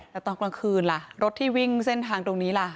แต่ตอนกลางคืนล่ะรถที่วิ่งเส้นทางตรงนี้ล่ะ